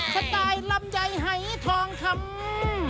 สไตล์ลำไยหายทองคำ